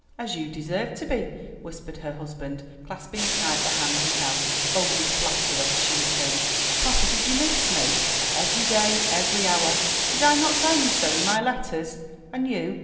"As you deserve to be," whispered her husband, clasping tight the hand he held. "Oh, you flatterer!" she returned. "Papa, did you miss me?" "Every day, every hour. Did I not tell you so in my letters? And you?